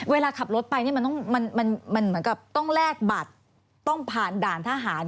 เวลาขับรถไปนี่มันเหมือนกับต้องแลกบัตรต้องผ่านด่านทหาร